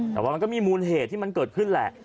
แต่ว่ามันก็มีมูลเหตุที่มันเกิดขึ้นแหละ